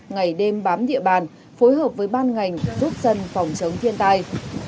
ngày đêm bám địa bàn phối hợp với ban ngành giúp dân phòng chống thiên tai